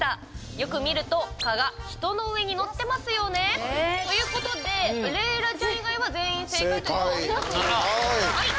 よく見ると、蚊が人の上に乗ってますよね。ということでレイラちゃん以外は全員正解という。